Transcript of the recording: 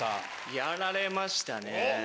やられましたね。